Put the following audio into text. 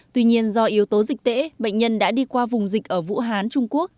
tuy nhiên do yếu tố dịch tễ bệnh nhân đã đi qua vùng dịch ở vũ hán trung quốc